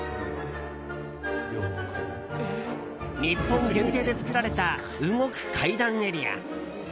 日本限定で作られた動く階段エリア。